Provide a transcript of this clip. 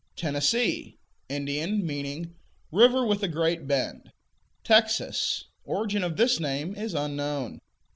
Tennessee Indian; meaning "river with the great bend." Texas Origin of this name is unknown.